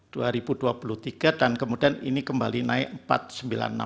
tahun dua ribu dua puluh tiga dan kemudian ini kembali naik rp empat sembilan puluh enam triliun